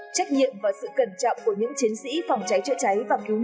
trách nhiệm và sự cẩn trọng của nạn nhân được đưa ra khỏi gầm xe container an toàn